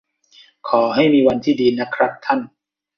ขอให้มีวันที่ดีนะครับท่าน